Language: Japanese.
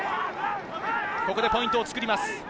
ここでポイントを作ります。